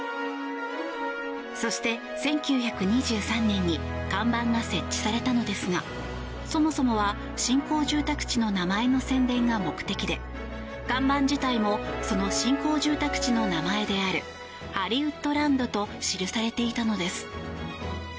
そして、１９２３年に看板が設置されたのですがそもそもは新興住宅地の名前の宣伝が目的で看板自体もその新興住宅地の名前である「ＨＯＬＬＹＷＯＯＤＬＡＮＤ」と記されていたのです。